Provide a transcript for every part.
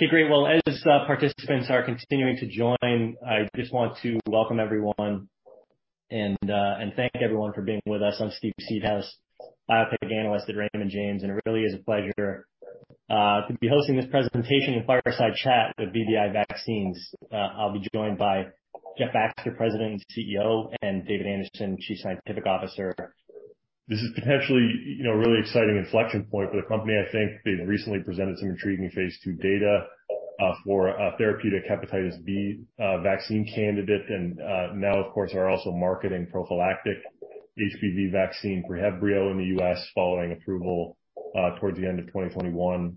Okay, great. Well, as participants are continuing to join, I just want to welcome everyone and thank everyone for being with us. I'm Steve Seedhouse, biotech analyst at Raymond James, it really is a pleasure to be hosting this presentation and fireside chat with VBI Vaccines. I'll be joined by Jeff Baxter, President and CEO, and David Anderson, Chief Scientific Officer. This is potentially, you know, a really exciting inflection point for the company. I think they've recently presented some intriguing phase II data for a therapeutic hepatitis B vaccine candidate and now of course are also marketing prophylactic HBV vaccine PreHevbrio in the U.S. following approval towards the end of 2021.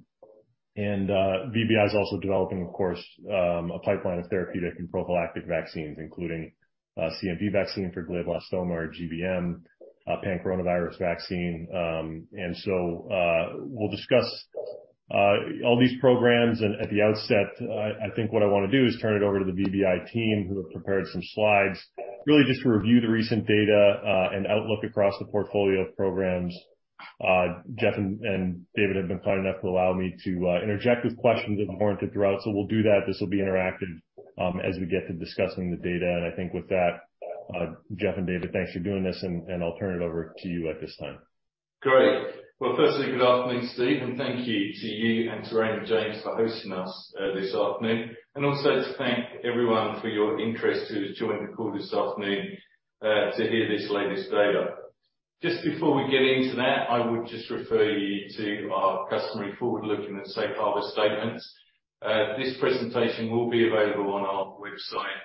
VBI is also developing, of course, a pipeline of therapeutic and prophylactic vaccines, including a CMV vaccine for glioblastoma or GBM, a pan-coronavirus vaccine. We'll discuss all these programs. At the outset, I think what I wanna do is turn it over to the VBI team who have prepared some slides, really just to review the recent data and outlook across the portfolio of programs. Jeff and David have been kind enough to allow me to interject with questions as warranted throughout. We'll do that. This will be interactive as we get to discussing the data. I think with that, Jeff and David, thanks for doing this, and I'll turn it over to you at this time. Great. Well, firstly, good afternoon, Steve, thank you to you and to Raymond James for hosting us this afternoon. Also, to thank everyone for your interest who has joined the call this afternoon, to hear this latest data. Just before we get into that, I would just refer you to our customary forward-looking and safe harbor statements. This presentation will be available on our website,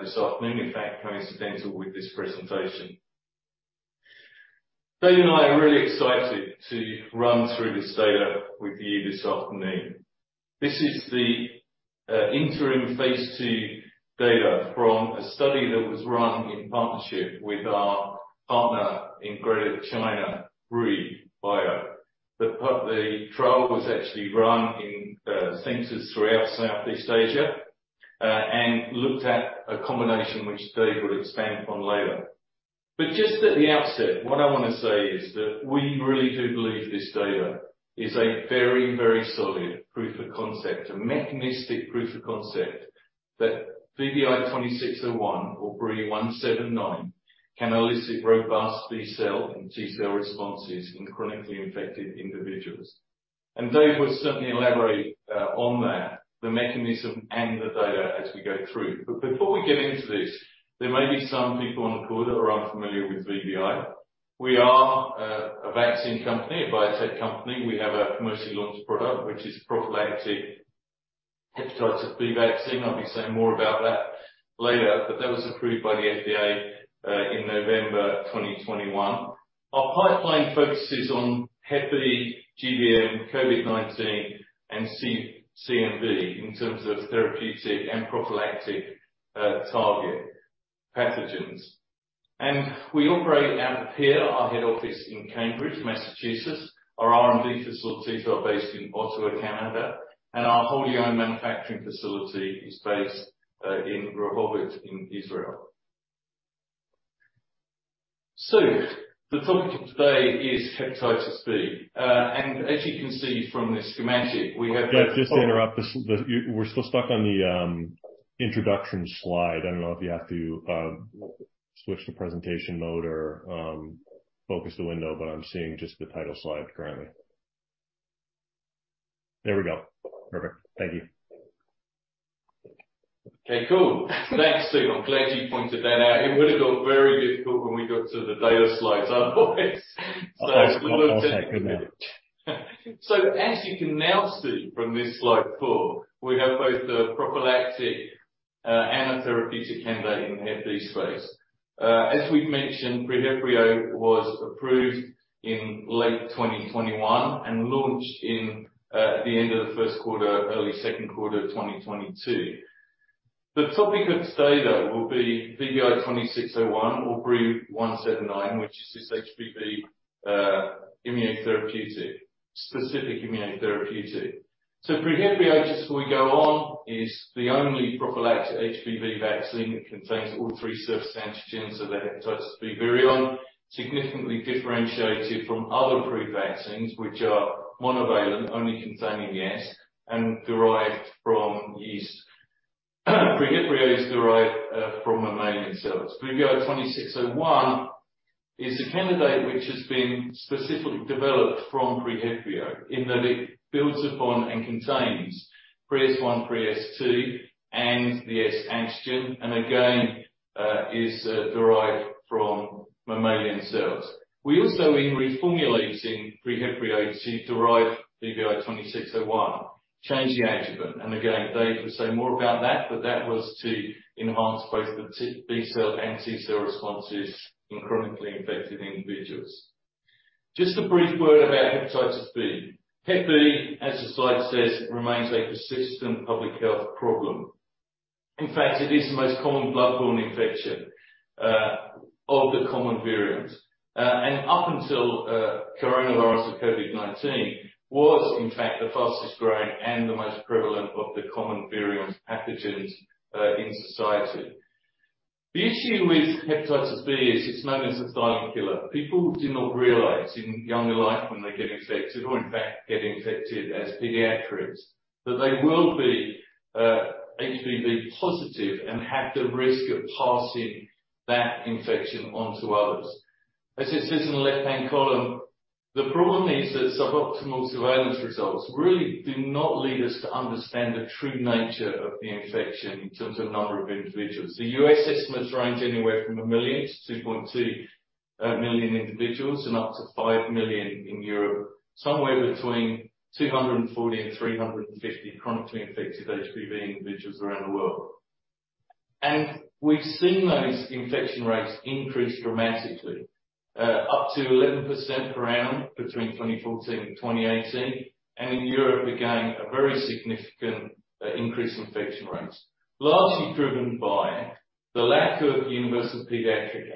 this afternoon. In fact, coincidental with this presentation. Dave and I are really excited to run through this data with you this afternoon. This is the interim phase II data from a study that was run in partnership with our partner in Greater China, Brii Bio. The trial was actually run in centers throughout Southeast Asia, and looked at a combination which Dave will expand upon later. Just at the outset, what I wanna say is that we really do believe this data is a very, very solid proof of concept, a mechanistic proof of concept, that VBI-2601 or BRII-179 can elicit robust B cell and T cell responses in chronically infected individuals. David will certainly elaborate on that, the mechanism and the data as we go through. Before we get into this, there may be some people on the call that are unfamiliar with VBI. We are a vaccine company, a biotech company. We have a commercially launched product, which is prophylactic hepatitis B vaccine. I'll be saying more about that later, but that was approved by the FDA in November 2021. Our pipeline focuses on hep B, GBM, COVID-19, and CMV in terms of therapeutic and prophylactic target pathogens. We operate out of here, our head office in Cambridge, Massachusetts. Our R&D facilities are based in Ottawa, Canada, and our wholly owned manufacturing facility is based in Rehovot in Israel. The topic for today is hepatitis B. As you can see from this schematic, Jeff, just to interrupt. We're still stuck on the introduction slide. I don't know if you have to switch to presentation mode or focus the window, but I'm seeing just the title slide currently. There we go. Perfect. Thank you. Okay, cool. Thanks, Steve. I'm glad you pointed that out. It would have got very difficult when we got to the data slides otherwise. A little technical. I'll take good note. As you can now see from this slide four, we have both the prophylactic and a therapeutic candidate in hep B space. As we've mentioned, PreHevbrio was approved in late 2021 and launched in the end of the first quarter, early second quarter of 2022. The topic of today, though, will be VBI-2601 or BRII-179, which is this HBV immunotherapeutic, specific immunotherapeutic. PreHevbrio, just before we go on, is the only prophylactic HBV vaccine that contains all three surface antigens of the hepatitis B virion, significantly differentiated from other pre-vaccines which are monovalent, only containing S and derived from yeast. PreHevbrio is derived from mammalian cells. VBI-2601 is a candidate which has been specifically developed from PreHevbrio in that it builds upon and contains Pre-S1, Pre-S2, and the S antigen, and again, is derived from mammalian cells. We also, in reformulating PreHevbrio to derive VBI-2601, changed the adjuvant. Again, Dave will say more about that, but that was to enhance both the B-cell and T-cell responses in chronically infected individuals. Just a brief word about hepatitis B. Hep B, as the slide says, remains a persistent public health problem. In fact, it is the most common blood-borne infection of the common variants. Up until coronavirus or COVID-19 was in fact the fastest growing and the most prevalent of the common variant pathogens in society. The issue with hepatitis B is it's known as the silent killer. People do not realize in younger life when they get infected or in fact get infected as pediatrics, that they will be HBV positive and have the risk of passing that infection on to others. As it says in the left-hand column, the problem is that suboptimal surveillance results really do not lead us to understand the true nature of the infection in terms of number of individuals. The U.S. estimates range anywhere from 1 million to 2.2 million individuals and up to 5 million in Europe, somewhere between 240 and 350 chronically infected HBV individuals around the world. We've seen those infection rates increase dramatically, up to 11% per annum between 2014 and 2018. In Europe, again, a very significant increase in infection rates, largely driven by the lack of universal pediatric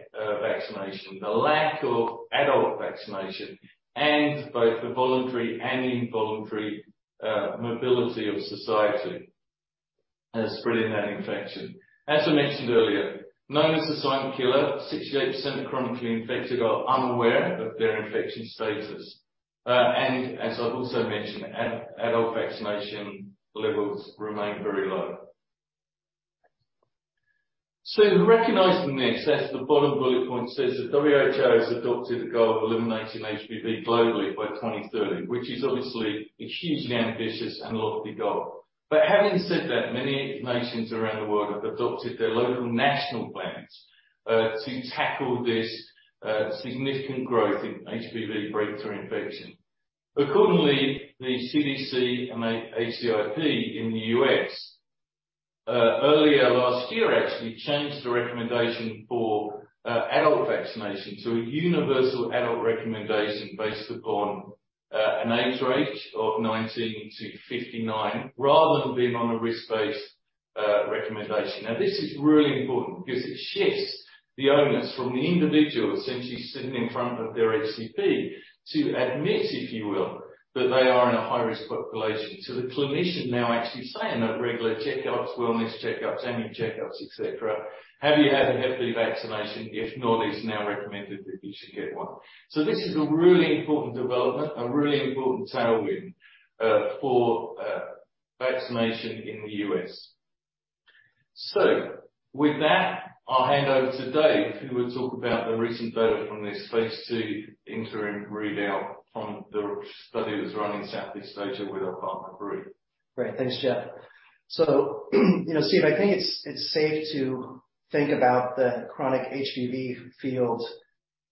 vaccination, the lack of adult vaccination, and both the voluntary and involuntary mobility of society that's spreading that infection. As I mentioned earlier, known as the silent killer, 68% of chronically infected are unaware of their infection status. As I've also mentioned, adult vaccination levels remain very low. Recognizing this, as the bottom bullet point says, the WHO has adopted the goal of eliminating HBV globally by 2030, which is obviously a hugely ambitious and lofty goal. Having said that, many nations around the world have adopted their local national plans to tackle this significant growth in HBV breakthrough infection. The CDC and ACIP in the U.S. earlier last year actually changed the recommendation for adult vaccination to a universal adult recommendation based upon an age range of 19 to 59, rather than being on a risk-based recommendation. This is really important because it shifts the onus from the individual essentially sitting in front of their HCP to admit, if you will, that they are in a high-risk population to the clinician now actually saying that regular checkups, wellness checkups, annual checkups, et cetera, "Have you had a hep B vaccination? If not, it's now recommended that you should get one." This is a really important development, a really important tailwind for vaccination in the U.S. With that, I'll hand over to Dave, who will talk about the recent data from this phase II interim readout from the study that's running in Southeast Asia with our partner group. Great. Thanks, Jeff. You know, Steve, I think it's safe to think about the chronic HBV field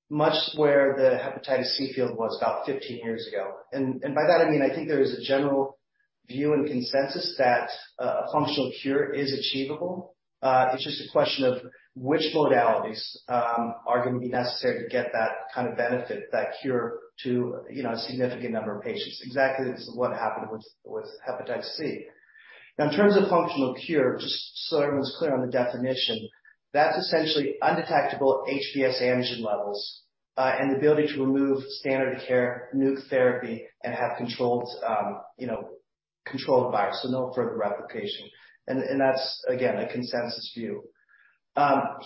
much where the hepatitis C field was about 15 years ago. By that I mean, I think there is a general view and consensus that a functional cure is achievable. It's just a question of which modalities are gonna be necessary to get that kind of benefit, that cure to, you know, a significant number of patients. Exactly as to what happened with hepatitis C. Now, in terms of functional cure, just so everyone's clear on the definition. That's essentially undetectable HBs antigen levels, and the ability to remove standard of care, NUC therapy, and have controlled, you know, controlled virus, so no further replication. That's again, a consensus view.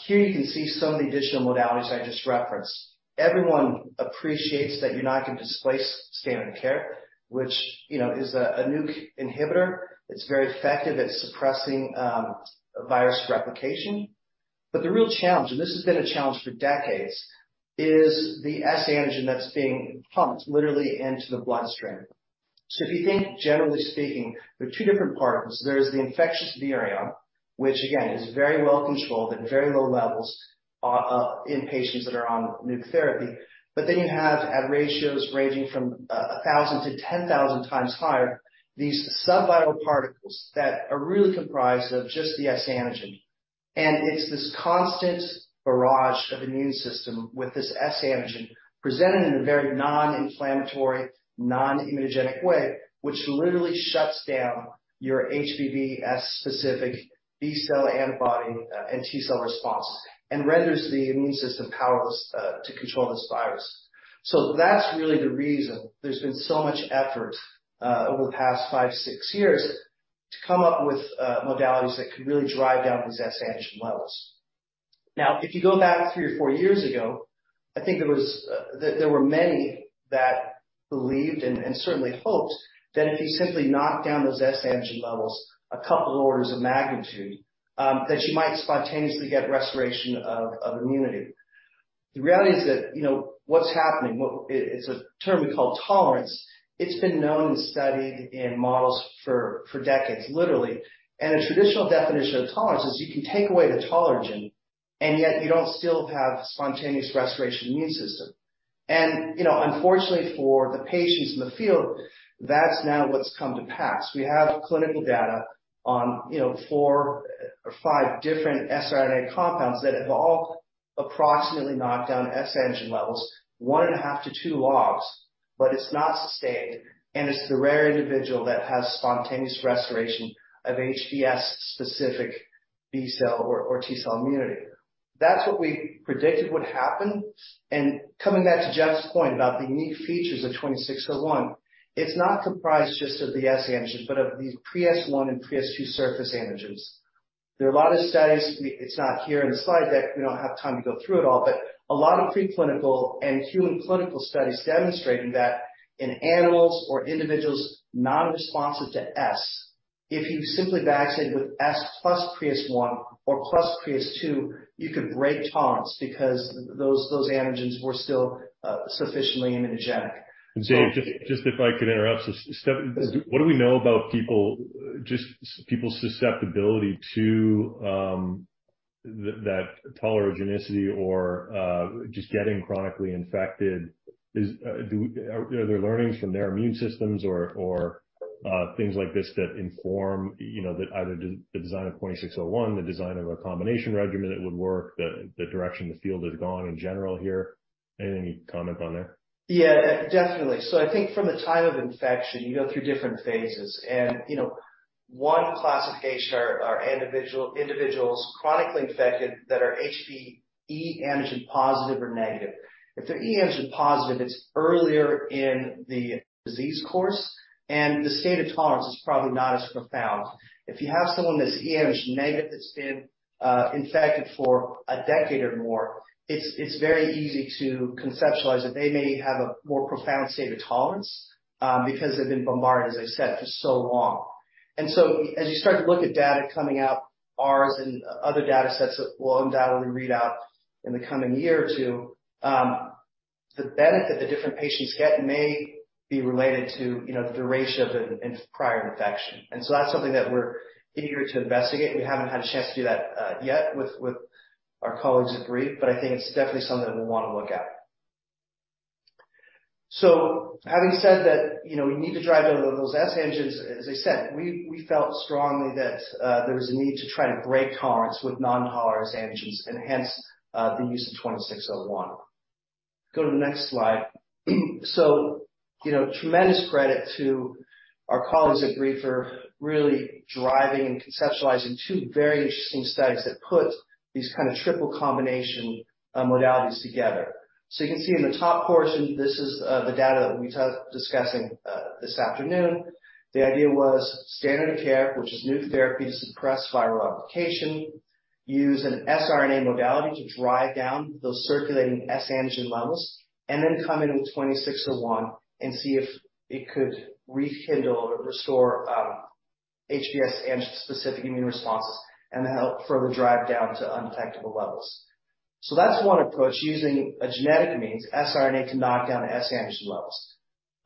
Here you can see some of the additional modalities I just referenced. Everyone appreciates that you're not gonna displace standard of care, which, you know, is a NUC inhibitor. It's very effective at suppressing virus replication. The real challenge, and this has been a challenge for decades, is the S antigen that's being pumped literally into the bloodstream. If you think generally speaking, there are two different parts. There's the infectious virion, which again is very well controlled at very low levels in patients that are on NUC therapy. Then you have at ratios ranging from 1,000 to 10,000 times higher, these subviral particles that are really comprised of just the S antigen. It's this constant barrage of immune system with this S antigen presented in a very non-inflammatory, non-immunogenic way, which literally shuts down your HBV S-specific B cell antibody and T cell response, and renders the immune system powerless to control this virus. That's really the reason there's been so much effort over the past five, six years to come up with modalities that could really drive down these S antigen levels. Now, if you go back three or four years ago, I think there were many that believed and certainly hoped that if you simply knock down those S antigen levels a couple orders of magnitude, that you might spontaneously get restoration of immunity. The reality is that, you know, what's happening, it's a term we call tolerance. It's been known and studied in models for decades, literally. A traditional definition of tolerance is you can take away the tolerogen, and yet you don't still have spontaneous restoration immune system. You know, unfortunately for the patients in the field, that's now what's come to pass. We have clinical data on, you know, four or five different siRNA compounds that have all approximately knocked down S antigen levels 1.5 to 2 logs, but it's not sustained, and it's the rare individual that has spontaneous restoration of HBs-specific B cell or T cell immunity. That's what we predicted would happen. Coming back to Jeff's point about the unique features of 2601, it's not comprised just of the S antigens, but of these Pre-S1 and Pre-S2 surface antigens. There are a lot of studies, it's not here in the slide deck, we don't have time to go through it all, but a lot of preclinical and human clinical studies demonstrating that in animals or individuals non-responsive to S, if you simply vaccinate with S plus Pre-S1 or plus Pre-S2, you could break tolerance because those antigens were still sufficiently immunogenic. Dave, just if I could interrupt. Yes. What do we know about people, just people's susceptibility to that tolerogenicity or just getting chronically infected? Are there learnings from their immune systems or things like this that inform, you know, that either the design of 2601, the design of a combination regimen that would work, the direction the field has gone in general here? Any comment on that? Definitely. I think from the time of infection, you go through different phases and, you know, one classification are individuals chronically infected that are HBe antigen positive or negative. If they're E antigen positive, it's earlier in the disease course, and the state of tolerance is probably not as profound. If you have someone that's E antigen negative that's been infected for a decade or more, it's very easy to conceptualize that they may have a more profound state of tolerance because they've been bombarded, as I said, for so long. As you start to look at data coming out, ours and other data sets that we'll undoubtedly read out in the coming year or two, the benefit that different patients get may be related to, you know, the duration of the prior infection. That's something that we're eager to investigate. We haven't had a chance to do that yet with our colleagues at Brii, but I think it's definitely something that we'll wanna look at. Having said that, you know, we need to drive down those S antigens, as I said, we felt strongly that there was a need to try to break tolerance with non-tolerized antigens, and hence the use of 2601. Go to the next slide. You know, tremendous credit to our colleagues at Brii for really driving and conceptualizing two very interesting studies that put these kind of triple combination modalities together. You can see in the top portion, this is the data that we'll be discussing this afternoon. The idea was standard of care, which is new therapy to suppress viral replication, use an siRNA modality to drive down those circulating S antigen levels, and then come in with 2601 and see if it could rekindle or restore HBsAg specific-immune responses and help further drive down to undetectable levels. That's one approach, using a genetic means, siRNA, to knock down S antigen levels.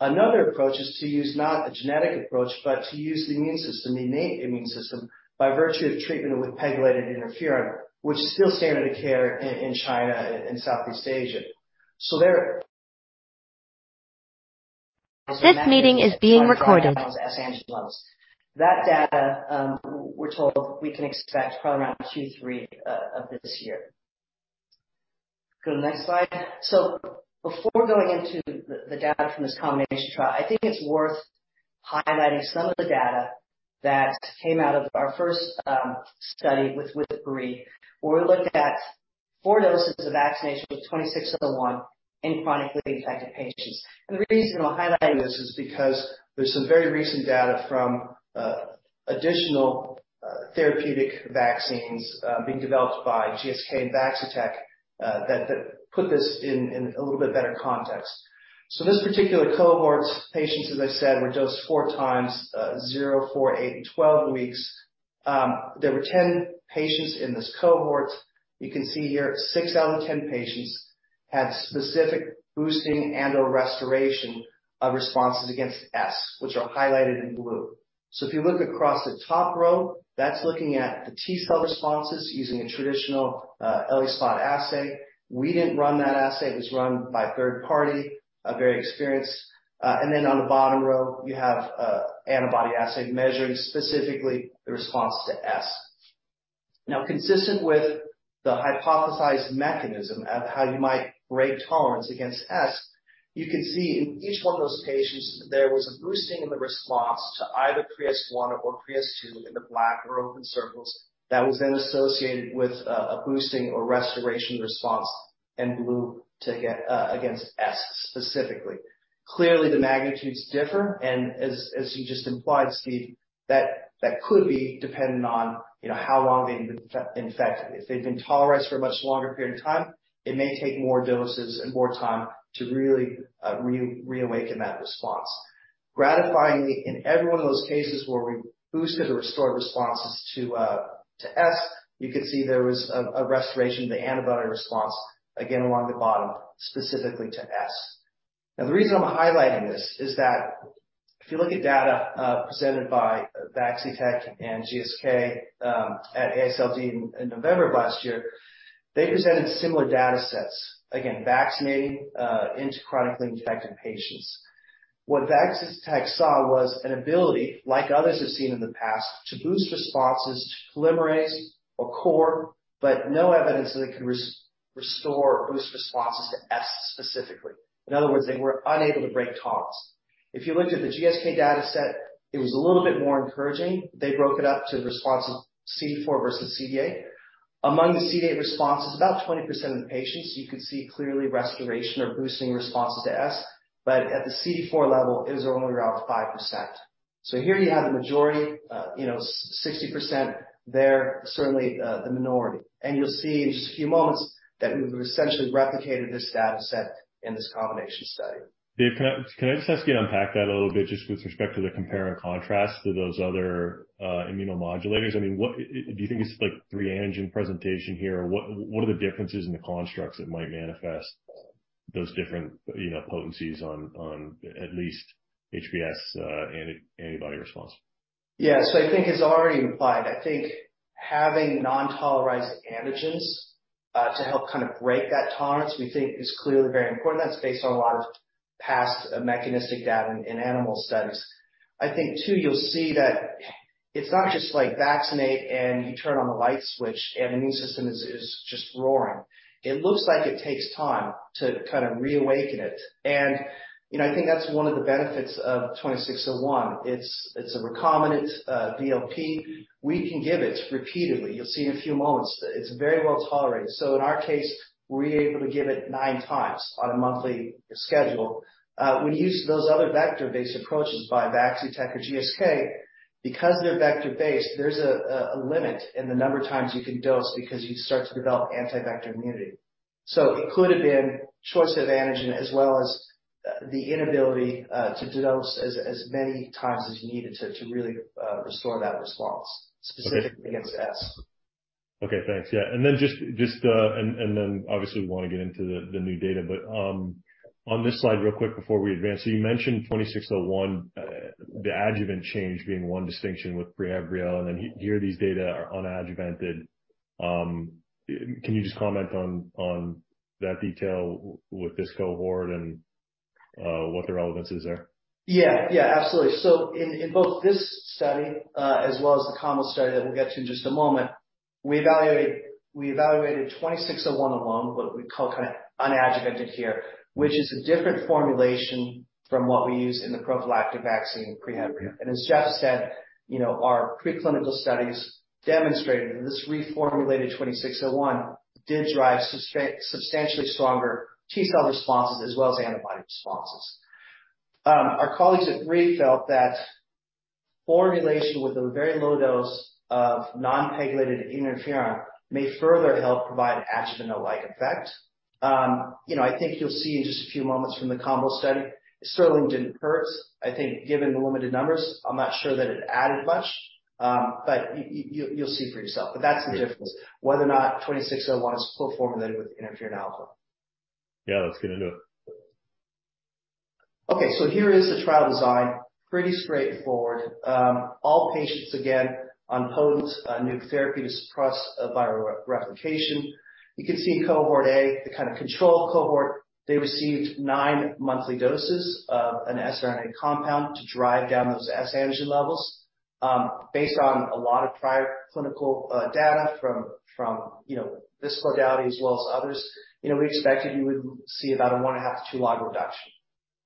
Another approach is to use not a genetic approach, but to use the immune system, the innate immune system, by virtue of treatment with pegylated interferon, which is still standard of care in China and Southeast Asia. S antigen levels. That data, we're told we can expect probably around Q3 of this year. Go to the next slide. Before going into the data from this combination trial, I think it's worth highlighting some of the data that came out of our first study with Brii, where we looked at four doses of vaccination with 2601 in chronically infected patients. The reason I'm highlighting this is because there's some very recent data from additional therapeutic vaccines being developed by GSK and Vaccitech that put this in a little bit better context. This particular cohort's patients, as I said, were dosed four times, zero, four, eight, and 12 weeks. There were 10 patients in this cohort. You can see here six out of the 10 patients had specific boosting and/or restoration of responses against S, which are highlighted in blue. If you look across the top row, that's looking at the T-cell responses using a traditional ELISpot assay. We didn't run that assay. It was run by a third party, a very experienced. Then on the bottom row, you have a antibody assay measuring specifically the response to S. Consistent with the hypothesized mechanism of how you might break tolerance against S, you can see in each one of those patients, there was a boosting in the response to either Pre-S1 or Pre-S2 in the black or open circles that was then associated with a boosting or restoration response in blue to get against S specifically. Clearly, the magnitudes differ and as you just implied, Steve, that could be dependent on, you know, how long they've been infected. If they've been tolerized for a much longer period of time, it may take more doses and more time to really reawaken that response. Gratifyingly, in every one of those cases where we boosted or restored responses to S, you could see there was a restoration of the antibody response again along the bottom, specifically to S. The reason I'm highlighting this is that if you look at data presented by Vaccitech and GSK at AASLD in November of last year, they presented similar data sets. Vaccinating into chronically infected patients. What Vaccitech saw was an ability, like others have seen in the past, to boost responses to polymerase or core, but no evidence that it could restore or boost responses to S specifically. In other words, they were unable to break tolerance. If you looked at the GSK data set, it was a little bit more encouraging. They broke it up to responses CD4 versus CD8. Among the CD8 responses, about 20% of the patients you could see clearly restoration or boosting responses to S, but at the CD4 level, it was only around 5%. Here you have the majority, you know, 60% there, certainly the minority. You'll see in just a few moments that we've essentially replicated this data set in this combination study. Dave, can I just ask you to unpack that a little bit just with respect to the compare and contrast to those other immunomodulators? I mean, what do you think it's like three antigen presentation here? What are the differences in the constructs that might manifest those different, you know, potencies on at least HBs anti-antibody response? Yeah. I think it's already implied. I think having non-tolerized antigens to help kind of break that tolerance, we think is clearly very important. That's based on a lot of past mechanistic data in animal studies. I think too, you'll see that it's not just like vaccinate and you turn on the light switch and the immune system is just roaring. It looks like it takes time to kind of reawaken it. You know, I think that's one of the benefits of 2601. It's a recombinant VLP. We can give it repeatedly. You'll see in a few moments that it's very well tolerated. In our case, we were able to give it nine times on a monthly schedule. When you use those other vector-based approaches by Vaccitech or GSK, because they're vector-based, there's a limit in the number of times you can dose because you start to develop anti-vector immunity. It could have been choice of antigen as well as the inability to dose as many times as you needed to really restore that response specifically against S. Okay, thanks. Yeah. just and then obviously we want to get into the new data, but on this slide real quick before we advance. You mentioned 2601, the adjuvant change being one distinction with PreHevbrio, and then here these data are unadjuvanted. Can you just comment on that detail with this cohort and what the relevance is there? Yeah. Yeah, absolutely. In both this study, as well as the combo study that we'll get to in just a moment, we evaluated 2601 alone, what we call kinda unadjuvanted here, which is a different formulation from what we use in the prophylactic vaccine, PreHevbrio. As Jeff said, you know, our preclinical studies demonstrated that this reformulated 2601 did drive substantially stronger T-cell responses as well as antibody responses. Our colleagues at Brii felt that formulation with a very low dose of non-pegylated interferon may further help provide adjuvant-like effect. You know, I think you'll see in just a few moments from the combo study, it certainly didn't hurt. I think given the limited numbers, I'm not sure that it added much, but you'll see for yourself. That's the difference, whether or not 2601 is co-formulated with interferon alfa. Yeah, let's get into it. Here is the trial design. Pretty straightforward. All patients again on potent new therapy to suppress viral re-replication. You can see in cohort A, the kind of control cohort, they received nine monthly doses of an siRNA compound to drive down those S antigen levels. Based on a lot of prior clinical data from, you know, this modality as well as others, you know, we expected you would see about a 1.5-2 log reduction,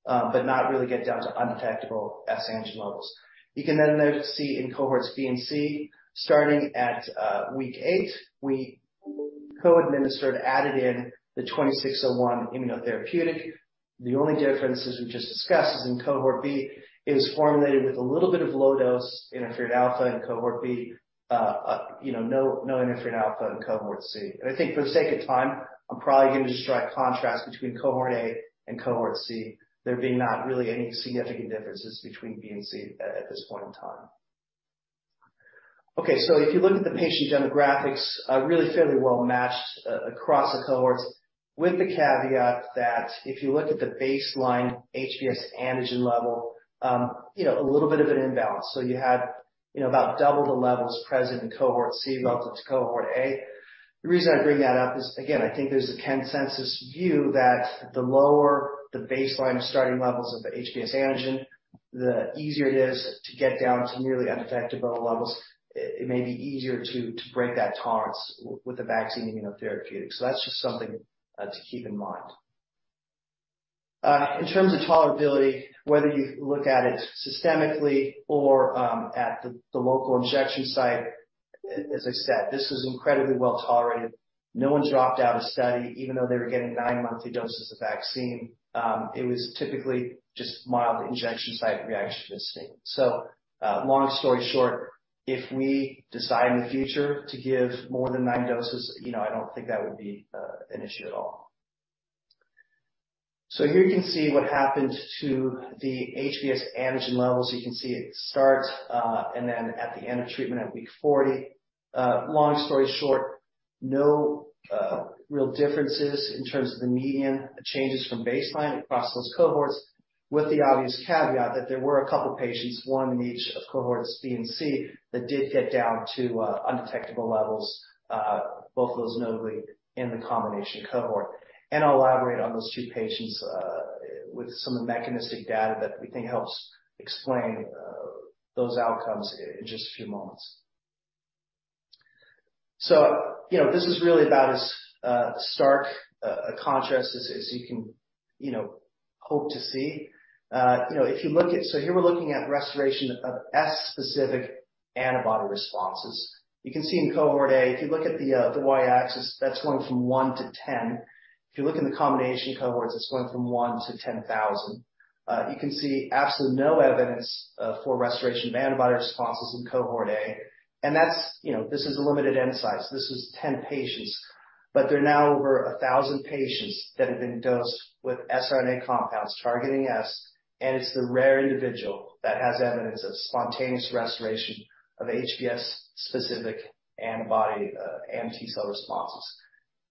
but not really get down to undetectable S antigen levels. You can see in cohorts B and C, starting at week eight, we co-administered, added in the 2601 immunotherapeutic. The only difference, as we just discussed, is in cohort B. It was formulated with a little bit of low dose interferon alfa in cohort B, you know, no interferon alfa in cohort C. I think for the sake of time, I'm probably going to just strike contrast between cohort A and cohort C. There being not really any significant differences between B and C at this point in time. If you look at the patient demographics, really fairly well matched across the cohorts with the caveat that if you look at the baseline HBs antigen level, you know, a little bit of an imbalance. You had, you know, about double the levels present in cohort C relative to cohort A. The reason I bring that up is, again, I think there's a consensus view that the lower the baseline starting levels of the HBs antigen, the easier it is to get down to nearly undetectable levels. It may be easier to break that tolerance with a vaccine immunotherapeutic. That's just something to keep in mind. In terms of tolerability, whether you look at it systemically or at the local injection site, as I said, this was incredibly well-tolerated. No one dropped out of study, even though they were getting nine monthly doses of vaccine. It was typically just mild injection site reaction we're seeing. Long story short, if we decide in the future to give more than nine doses, you know, I don't think that would be an issue at all. Here you can see what happened to the HBsAg levels. You can see it start, and then at the end of treatment at week 40. Long story short, no real differences in terms of the median changes from baseline across those cohorts, with the obvious caveat that there were a couple of patients, one in each of cohorts B and C, that did get down to undetectable levels, both of those notably in the combination cohort. I'll elaborate on those two patients with some of the mechanistic data that we think helps explain those outcomes in just a few moments. You know, this is really about as stark a contrast as you can. You know, hope to see. You know, if you look at. Here we're looking at restoration of S specific antibody responses. You can see in cohort A, if you look at the y-axis, that's going from 1 to 10. If you look in the combination cohorts, it's going from 1 to 10,000. You can see absolutely no evidence for restoration of antibody responses in cohort A. That's, you know, this is a limited end size. This is 10 patients, but they're now over 1,000 patients that have been dosed with SRNA compounds targeting S, and it's the rare individual that has evidence of spontaneous restoration of HBs specific antibody, and T cell responses.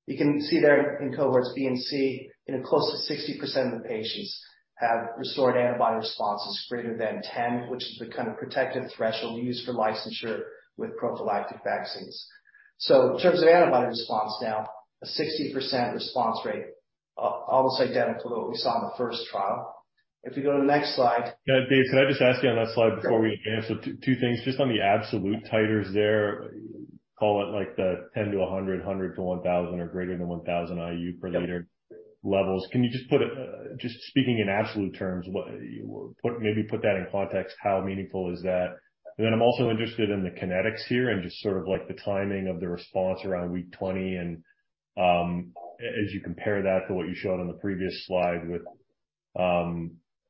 You can see there in cohorts B and C, you know, close to 60% of the patients have restored antibody responses greater than 10, which is the kind of protective threshold used for licensure with prophylactic vaccines. In terms of antibody response now, a 60% response rate, almost identical to what we saw in the first trial. If you go to the next slide. Yeah, Dave, can I just ask you on that slide before we answer two things, just on the absolute titers there, call it like the 10 to 100 to 1,000 or greater than 1,000 IU per liter levels. Can you just put it, just speaking in absolute terms, maybe put that in context, how meaningful is that? I'm also interested in the kinetics here and just sort of like the timing of the response around week 20. As you compare that to what you showed on the previous slide with,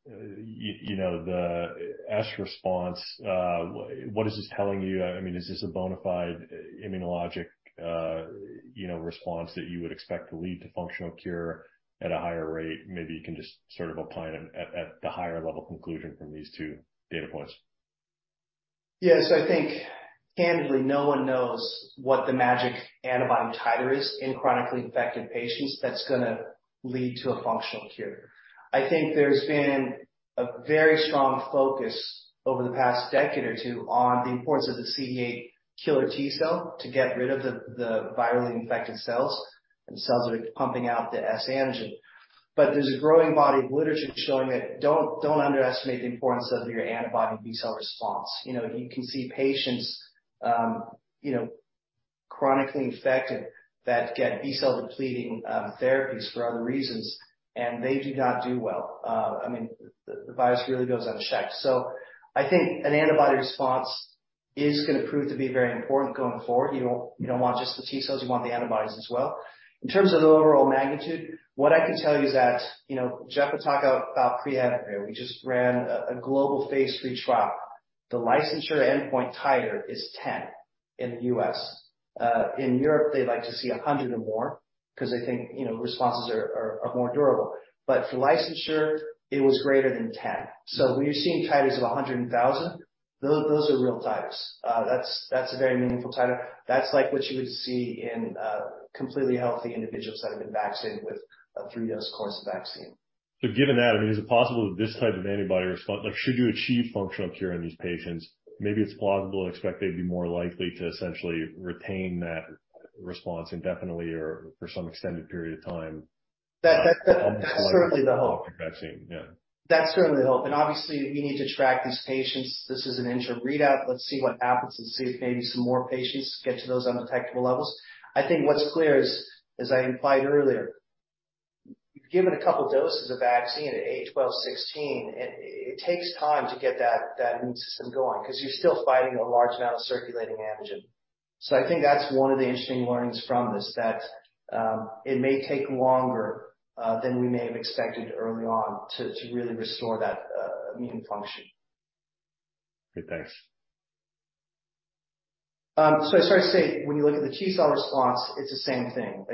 you know, the S response, what is this telling you? I mean, is this a bona fide immunologic, you know, response that you would expect to lead to functional cure at a higher rate? Maybe you can just sort of opine at the higher level conclusion from these two data points. I think candidly, no one knows what the magic antibody titer is in chronically infected patients that's gonna lead to a functional cure. I think there's been a very strong focus over the past decade or two on the importance of the CD8 killer T cell to get rid of the virally infected cells, and the cells are pumping out the S antigen. There's a growing body of literature showing that don't underestimate the importance of your antibody and B cell response. You know, you can see patients, you know, chronically infected that get B cell depleting therapies for other reasons, and they do not do well. I mean, the virus really goes unchecked. I think an antibody response is gonna prove to be very important going forward. You don't want just the T cells, you want the antibodies as well. In terms of the overall magnitude, what I can tell you is that, you know, Jeff will talk about PreHevbrio. We just ran a global phase III trial. The licensure endpoint titer is 10 in the U.S. In Europe, they like to see 100 or more 'cause they think, you know, responses are more durable. For licensure, it was greater than 10. When you're seeing titers of 100 and 1,000, those are real titers. That's, that's a very meaningful titer. That's like what you would see in completely healthy individuals that have been vaccinated with a three-dose course of vaccine. Given that, I mean, is it possible that this type of antibody response, like should you achieve functional cure in these patients, maybe it's plausible to expect they'd be more likely to essentially retain that response indefinitely or for some extended period of time? That's certainly the hope. Vaccine. Yeah. That's certainly the hope. Obviously, we need to track these patients. This is an interim readout. Let's see what happens and see if maybe some more patients get to those undetectable levels. I think what's clear is, as I implied earlier, you've given a couple of doses of vaccine at age 12, 16, it takes time to get that immune system going 'cause you're still fighting a large amount of circulating antigen. I think that's one of the interesting learnings from this, that it may take longer than we may have expected early on to really restore that immune function. Okay, thanks. As far as I say, when you look at the T-cell response, it's the same thing.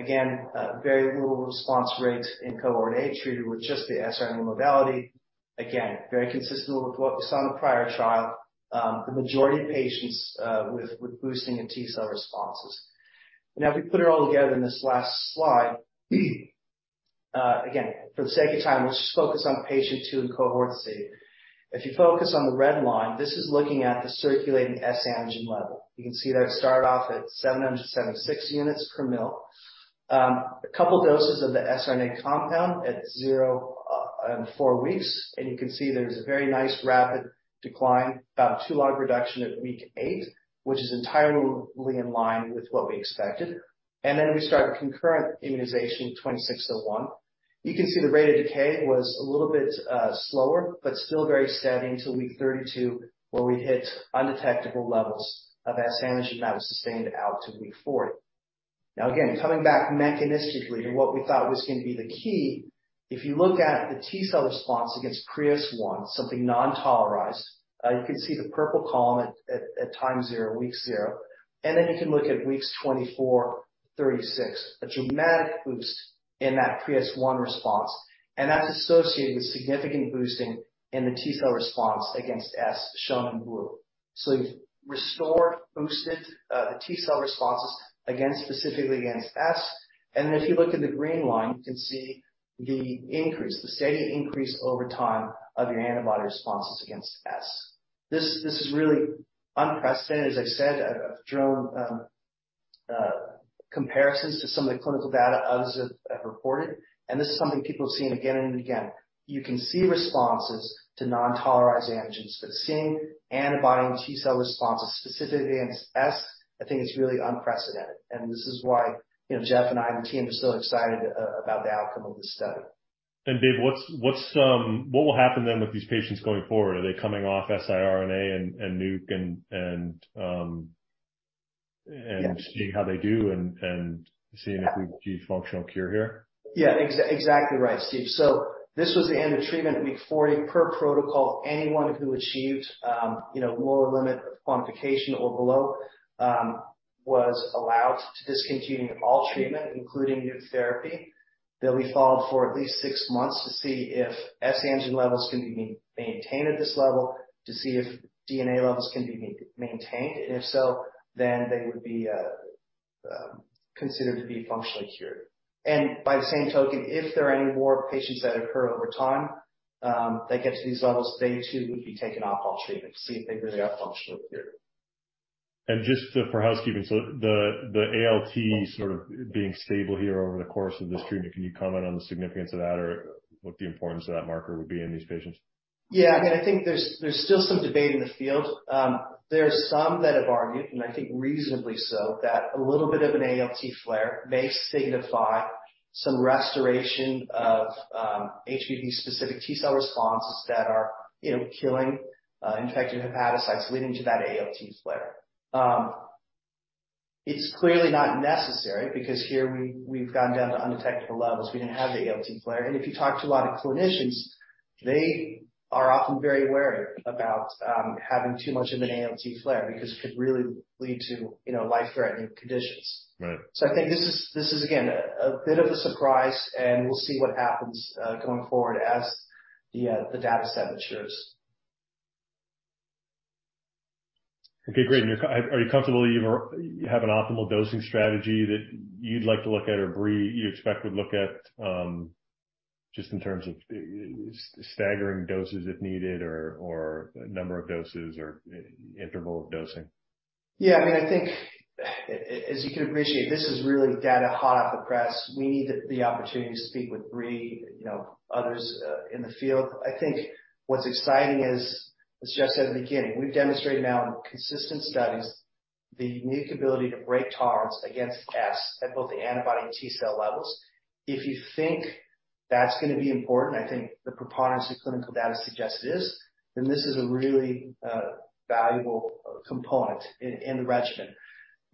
Very little response rates in cohort A treated with just the siRNA modality. Very consistent with what we saw in the prior trial. The majority of patients, with boosting in T-cell responses. If we put it all together in this last slide, for the sake of time, let's just focus on patient two in cohort C. If you focus on the red line, this is looking at the circulating S antigen level. You can see that start off at 776 units per mil. A couple doses of the siRNA compound at zero and four weeks, you can see there's a very nice rapid decline, about 2 log reduction at week eight, which is entirely in line with what we expected. We start concurrent immunization with 2601. You can see the rate of decay was a little bit slower, still very steady until week 32, where we hit undetectable levels of S antigen that was sustained out to week 40. Coming back mechanistically to what we thought was gonna be the key, if you look at the T-cell response against Pre-S1, something non-tolerized, you can see the purple column at time zero, week zero. You can look at weeks 24, 36, a dramatic boost in that Pre-S1 response. That's associated with significant boosting in the T cell response against S, shown in blue. You've restored, boosted, the T cell responses against, specifically against S. If you look in the green line, you can see the increase, the steady increase over time of your antibody responses against S. This is really unprecedented. As I said, I've drawn comparisons to some of the clinical data others have reported, and this is something people have seen again and again. You can see responses to non-tolerized antigens, but seeing antibody and T-cell responses specifically against S, I think it's really unprecedented. This is why, you know, Jeff and I and the team are so excited about the outcome of this study. David, what will happen then with these patients going forward? Are they coming off siRNA and NUC? Yeah. And seeing how they do and seeing if we achieve functional cure here? Exactly right, Steve. This was the end of treatment at week 40 per protocol. Anyone who achieved, you know, lower limit of quantification or below, was allowed to discontinue all treatment, including NUC therapy. They'll be followed for at least six months to see if S antigen levels can be maintained at this level, to see if DNA levels can be maintained, and if so, then they would be considered to be functionally cured. By the same token, if there are any more patients that occur over time, that get to these levels, they too would be taken off all treatment to see if they really are functionally cured. Just for housekeeping, so the ALT sort of being stable here over the course of this treatment, can you comment on the significance of that or what the importance of that marker would be in these patients? Yeah, I mean, I think there's still some debate in the field. There are some that have argued, and I think reasonably so, that a little bit of an ALT flare may signify some restoration of HBV-specific T cell responses that are, you know, killing infected hepatocytes leading to that ALT flare. It's clearly not necessary because here we've gone down to undetectable levels. We didn't have the ALT flare. If you talk to a lot of clinicians, they are often very wary about having too much of an ALT flare because it could really lead to, you know, life-threatening conditions. Right. I think this is again, a bit of a surprise, and we'll see what happens going forward as the data set matures. Okay, great. Are you comfortable you have an optimal dosing strategy that you'd like to look at or Brii you expect would look at, just in terms of the staggering doses if needed or number of doses or interval of dosing? Yeah. I mean, I think as you can appreciate, this is really data hot off the press. We need the opportunity to speak with Brii, you know, others in the field. I think what's exciting is, as Jeff said at the beginning, we've demonstrated now in consistent studies the NUC ability to break tolerance against S at both the antibody and T cell levels. If you think that's gonna be important, I think the preponderance of clinical data suggests it is, this is a really valuable component in the regimen.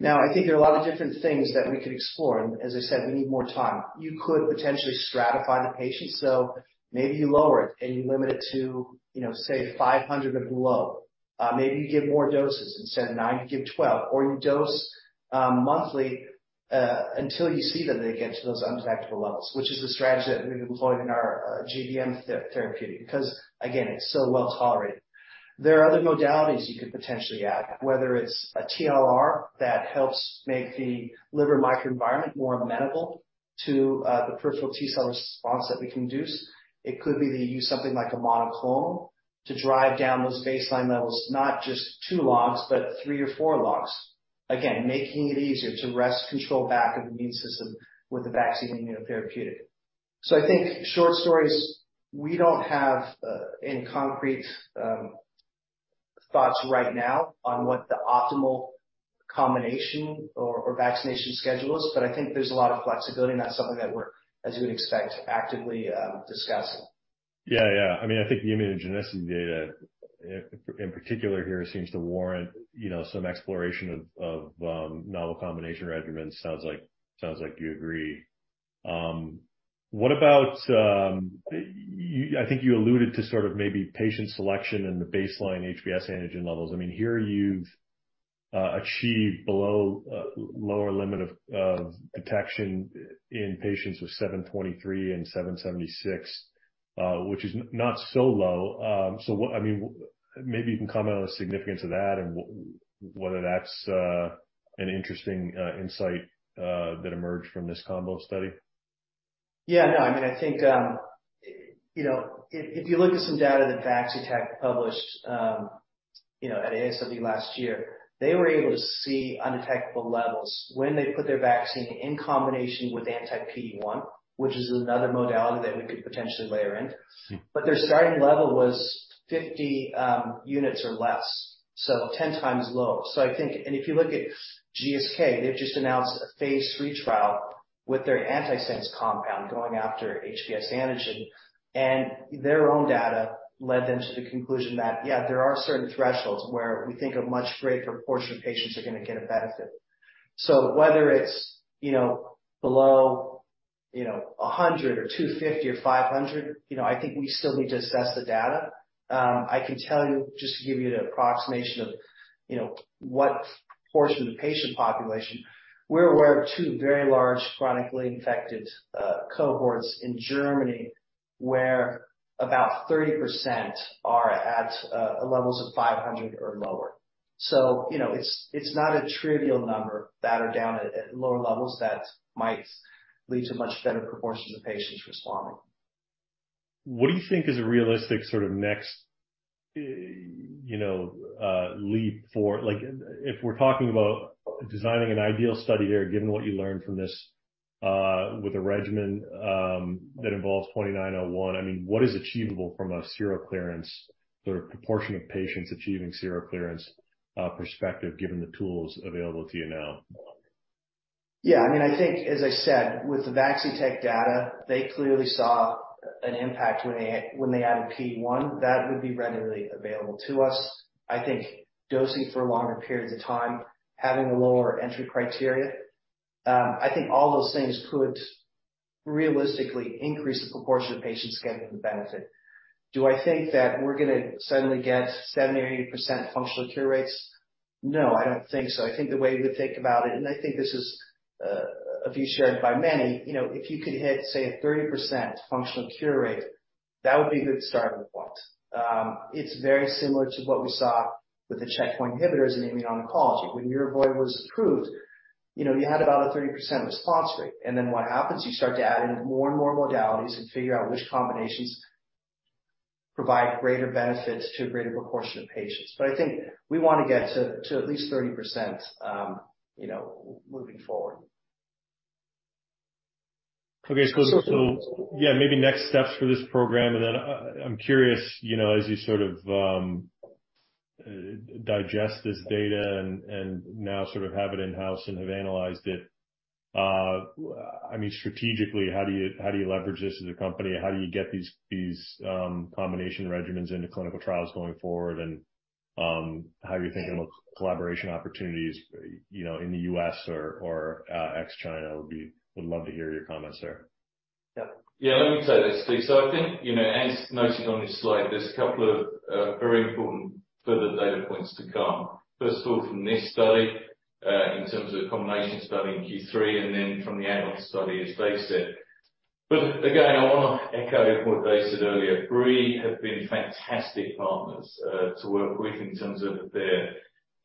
I think there are a lot of different things that we could explore, and as I said, we need more time. You could potentially stratify the patients, so maybe you lower it and you limit it to, you know, say 500 and below. Maybe you give more doses. Instead of nine, you give 12. You dose monthly until you see that they get to those undetectable levels, which is the strategy that we've employed in our GBM therapeutic because, again, it's so well-tolerated. There are other modalities you could potentially add, whether it's a TLR that helps make the liver microenvironment more amenable to the peripheral T cell response that we can induce. It could be that you use something like a monoclonal to drive down those baseline levels, not just 2 logs, but 3 or 4 logs. Again, making it easier to rest control back of the immune system with a vaccine immunotherapeutic. I think short story is we don't have any concrete thoughts right now on what the optimal combination or vaccination schedule is, but I think there's a lot of flexibility, and that's something that we're, as you would expect, actively discussing. Yeah. Yeah. I mean, I think the immunogenicity data in particular here seems to warrant, you know, some exploration of novel combination regimens. Sounds like you agree. What about, I mean, I think you alluded to sort of maybe patient selection and the baseline HBs antigen levels. I mean, here you've achieved below lower limit of detection in patients with 723 and 776, which is not so low. So what... I mean, maybe you can comment on the significance of that and whether that's an interesting insight that emerged from this combo study? Yeah, no, I mean, I think, you know, if you look at some data that Vaccitech published, you know, at ASCO last year, they were able to see undetectable levels when they put their vaccine in combination with anti-PD-1, which is another modality that we could potentially layer in. Their starting level was 50 units or less, so 10 times lower. If you look at GSK, they've just announced a phase III trial with their antisense compound going after HBs antigen, and their own data led them to the conclusion that, yeah, there are certain thresholds where we think a much greater proportion of patients are gonna get a benefit. Whether it's, you know, below, you know, 100 or 250 or 500, you know, I think we still need to assess the data. I can tell you, just to give you an approximation of, you know, what portion of the patient population, we're aware of two very large chronically infected cohorts in Germany, where about 30% are at levels of 500 or lower, you know, it's not a trivial number that are down at lower levels that might lead to much better proportion of patients responding. What do you think is a realistic sort of next, you know, leap for. Like, if we're talking about designing an ideal study here, given what you learned from this, with a regimen that involves 2901, I mean, what is achievable from a seroclearance or proportion of patients achieving seroclearance perspective, given the tools available to you now? Yeah. I mean, I think as I said, with the Vaccitech data, they clearly saw an impact when they added PD-1 that would be readily available to us. I think dosing for longer periods of time, having a lower entry criteria, I think all those things could realistically increase the proportion of patients getting the benefit. Do I think that we're gonna suddenly get 70% or 80% functional cure rates? No, I don't think so. I think the way we think about it, and I think this is a view shared by many, you know, if you could hit, say, a 30% functional cure rate, that would be a good starting point. It's very similar to what we saw with the checkpoint inhibitors in immuno-oncology. When Yervoy was approved, you know, you had about a 30% response rate. What happens? You start to add in more and more modalities and figure out which combinations provide greater benefits to a greater proportion of patients. I think we wanna get to at least 30%, you know, moving forward. Okay. Yeah, maybe next steps for this program. Then I'm curious, you know, as you sort of digest this data and now sort of have it in-house and have analyzed it, I mean, strategically, how do you leverage this as a company? How do you get these combination regimens into clinical trials going forward? How are you thinking about collaboration opportunities, you know, in the U.S. or ex-China would be. Would love to hear your comments there. Yeah. Yeah. Let me take this, Steve. I think, you know, as noted on this slide, there's a couple of, very important further data points to come. First of all, from this study, in terms of the combination study in Q3 and then from the adult study, as Dave said. Again, I wanna echo what Dave said earlier. Brii have been fantastic partners to work with in terms of their,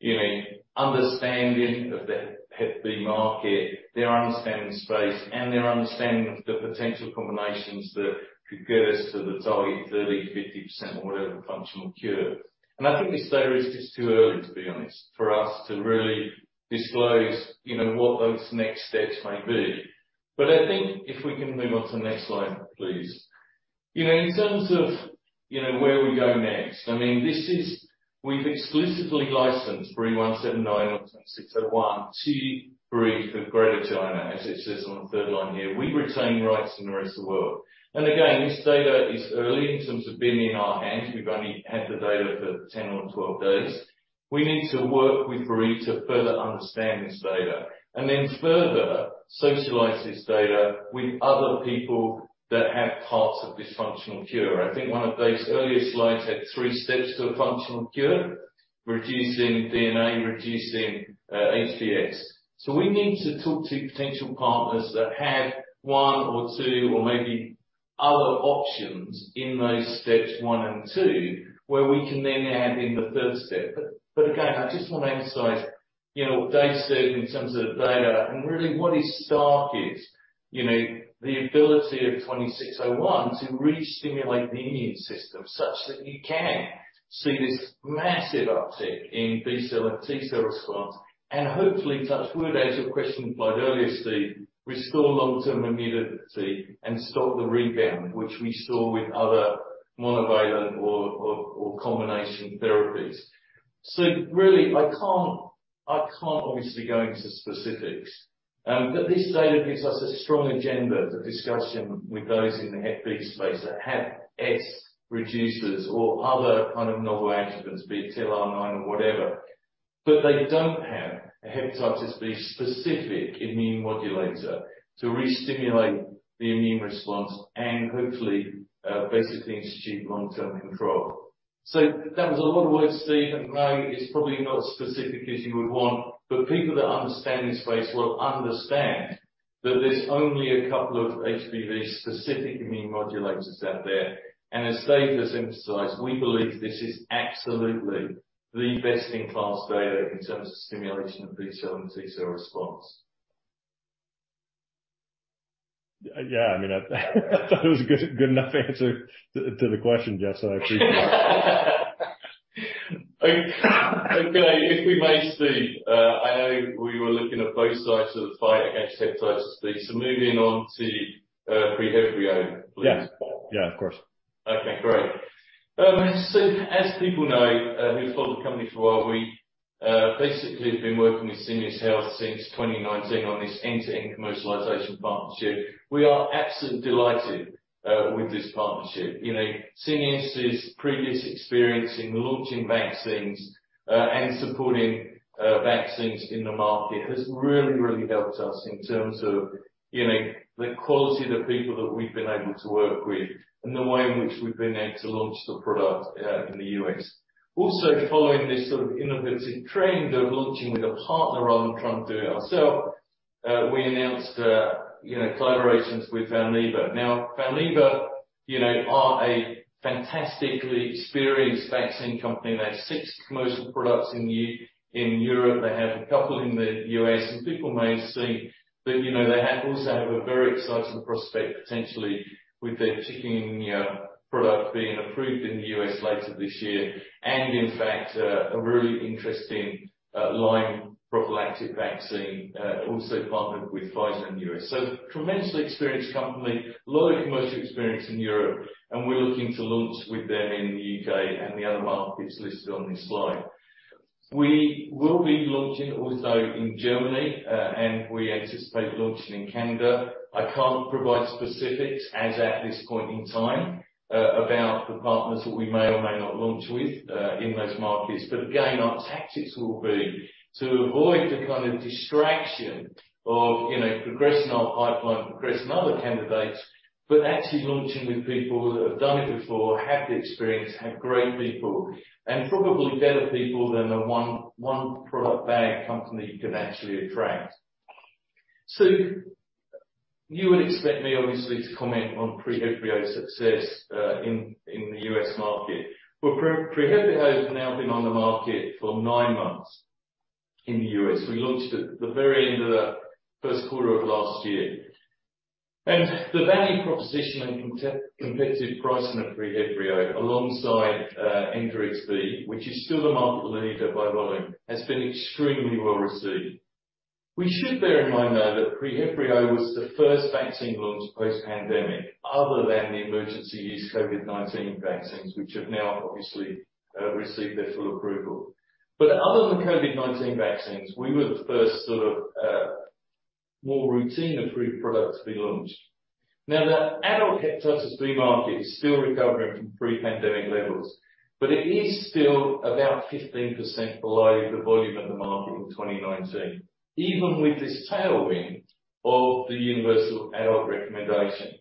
you know, understanding of the hep B market, their understanding of the space, and their understanding of the potential combinations that could get us to the target 30%-50% or whatever functional cure. I think it's fair it's just too early, to be honest, for us to really disclose, you know, what those next steps may be. I think if we can move on to the next slide, please. You know, in terms of, you know, where we go next. I mean, we've exclusively licensed BRII-179 or 2601 to Brii for greater China, as it says on the third line here. We retain rights in the rest of the world. Again, this data is early in terms of being in our hands. We've only had the data for 10 or 12 days. We need to work with Brii to further understand this data and then further socialize this data with other people that have parts of this functional cure. I think one of Dave's earlier slides had three steps to a functional cure, reducing DNA, reducing HBs. We need to talk to potential partners that have one or two, or maybe other options in those steps one and two, where we can then add in the third step. Again, I just wanna emphasize, you know, what Dave said in terms of the data and really what is stark is, you know, the ability of 2601 to restimulate the immune system such that you can see this massive uptick in B cell and T-cell response and hopefully touch wood as your question implied earlier, Steve, restore long-term immunity and stop the rebound, which we saw with other monovalent or combination therapies. Really I can't obviously go into specifics. This data gives us a strong agenda for discussion with those in the hepatitis B space that have X reducers or other kind of novel adjuvants, be it TLR9 or whatever, but they don't have a hepatitis B specific immune modulator to restimulate the immune response and hopefully basically institute long-term control. That was a lot of words, Steve, and I know it's probably not as specific as you would want, but people that understand this space will understand that there's only a couple of HBV specific immune modulators out there. As Dave has emphasized, we believe this is absolutely the best-in-class data in terms of stimulation of B cell and T cell response. Yeah. I mean, I thought it was a good enough answer to the question, Jeff, so I appreciate it. Okay. If we may, Steve, I know we were looking at both sides of the fight against hepatitis B. Moving on to PreHevbrio, please. Yeah, of course. Okay, great. As people know, who've followed the company for a while, we basically have been working with Syneos Health since 2019 on this end-to-end commercialization partnership. We are absolutely delighted with this partnership. You know, Syneos' previous experience in launching vaccines and supporting vaccines in the market has really, really helped us in terms of, you know, the quality of the people that we've been able to work with and the way in which we've been able to launch the product in the U.S. Also, following this sort of innovative trend of launching with a partner rather than trying to do it ourselves, we announced, you know, collaborations with Valneva. Valneva, you know, are a fantastically experienced vaccine company. They have six commercial products in Europe. They have a couple in the U.S. People may have seen that, you know, they also have a very exciting prospect potentially with their tick-borne product being approved in the U.S. later this year. In fact, a really interesting Lyme prophylactic vaccine, also partnered with Pfizer in the U.S. Tremendously experienced company, a lot of commercial experience in Europe, and we're looking to launch with them in the U.K. and the other markets listed on this slide. We will be launching also in Germany, and we anticipate launching in Canada. I can't provide specifics as at this point in time, about the partners that we may or may not launch with, in those markets. Again, our tactics will be to avoid the kind of distraction of, you know, progressing our pipeline, progressing other candidates, but actually launching with people that have done it before, have the experience, have great people, and probably better people than the one product bag company you can actually attract. Steve, you would expect me obviously to comment on PreHevbrio success in the U.S. market. Well, PreHevbrio has now been on the market for nine months in the U.S. We launched at the very end of the first quarter of last year. The value proposition and competitive pricing of PreHevbrio alongside Engerix-B, which is still the market leader by volume, has been extremely well received. We should bear in mind, though, that PreHevbrio was the first vaccine launched post-pandemic other than the emergency use COVID-19 vaccines, which have now obviously received their full approval. Other than COVID-19 vaccines, we were the first sort of more routine approved product to be launched. The adult hepatitis B market is still recovering from pre-pandemic levels, but it is still about 15% below the volume of the market in 2019, even with this tailwind of the universal adult recommendation.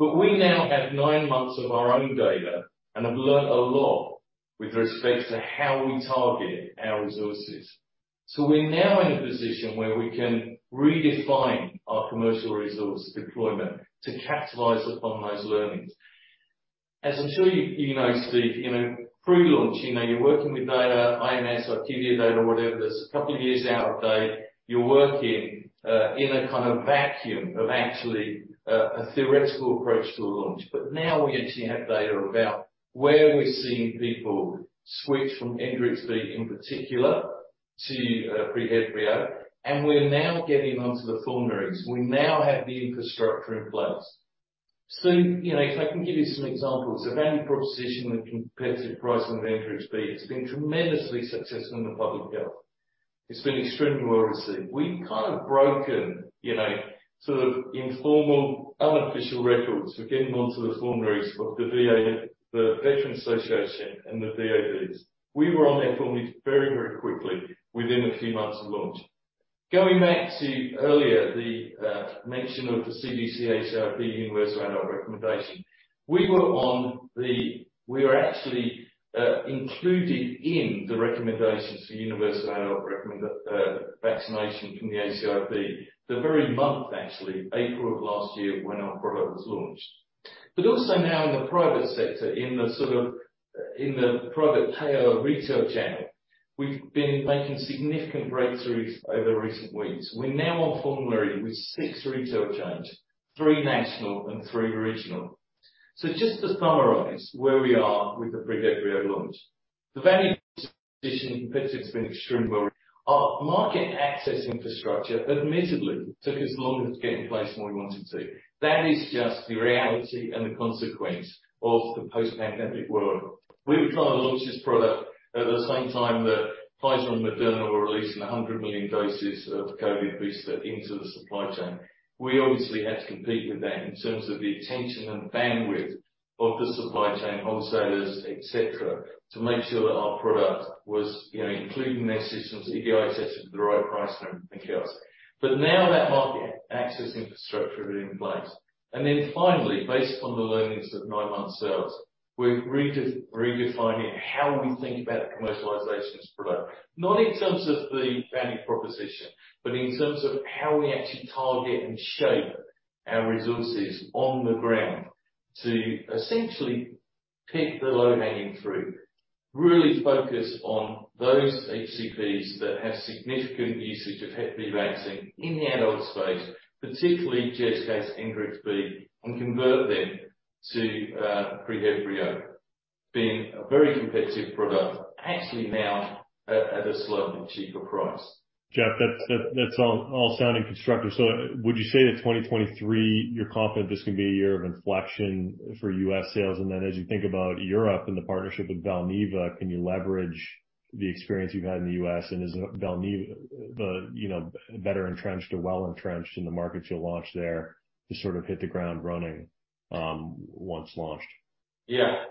We now have nine months of our own data and have learnt a lot with respect to how we target our resources. We're now in a position where we can redefine our commercial resource deployment to capitalize upon those learnings. As I'm sure you know, Steve, you know, pre-launch, you know, you're working with data, IMS, IQVIA data, whatever, that's a couple of years out of date. You're working in a kind of vacuum of actually a theoretical approach to a launch. Now, we actually have data about where we're seeing people switch from Engerix-B in particular to PreHevbrio, and we're now getting onto the formularies. We now have the infrastructure in place. Steve, you know, if I can give you some examples of value proposition and competitive pricing of Engerix-B, it's been tremendously successful in the public health. It's been extremely well received. We've kind of broken, you know, sort of informal, unofficial records for getting onto the formularies of the VA, the Veterans Association, and the VAVS. We were on their formulary very quickly within a few months of launch. Going back to earlier, the mention of the CDC ACIP universal adult recommendation. We were actually included in the recommendations for universal adult vaccination from the ACIP, the very month actually, April of last year, when our product was launched. Also now in the private sector, in the private payer retail channel, we've been making significant breakthroughs over recent weeks. We're now on formulary with six retail chains, three national and three regional. Just to summarize where we are with the PreHevbrio launch. The value position in competitive has been extremely well. Our market access infrastructure admittedly took us longer to get in place than we wanted to. That is just the reality and the consequence of the post-pandemic world. We were trying to launch this product at the same time that Pfizer and Moderna were releasing 100 million doses of COVID booster into the supply chain. We obviously had to compete with that in terms of the attention and bandwidth of the supply chain, wholesalers, et cetera, to make sure that our product was, you know, including their systems, EDI systems at the right price and everything else. Now that market access infrastructure is in place. Then finally, based on the learnings of nine-month sales, we're redefining how we think about commercialization of this product, not in terms of the value proposition, but in terms of how we actually target and shape our resources on the ground to essentially pick the low-hanging fruit, really focus on those HCPs that have significant usage of Hep B vaccine in the adult space, particularly existing Engerix-B, and convert them to PreHevbrio. Being a very competitive product, actually now at a slightly cheaper price. Jeff, that's all sounding constructive. Would you say that 2023, you're confident this can be a year of inflection for U.S. sales? Then as you think about Europe and the partnership with Valneva, can you leverage the experience you've had in the U.S. and is the, you know, better entrenched or well-entrenched in the markets you'll launch there to sort of hit the ground running once launched? Yeah.